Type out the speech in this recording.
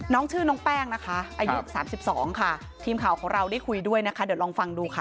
ชื่อน้องแป้งนะคะอายุ๓๒ค่ะทีมข่าวของเราได้คุยด้วยนะคะเดี๋ยวลองฟังดูค่ะ